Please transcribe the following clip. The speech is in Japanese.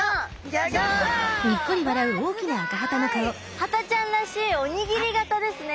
ハタちゃんらしいおにぎり型ですね。